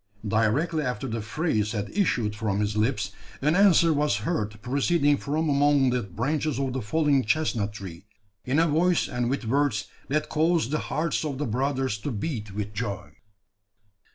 Directly after the phrase had issued from his lips, an answer was heard proceeding from among the branches of the fallen chestnut tree, in a voice and with words that caused the hearts of the brothers to beat with joy.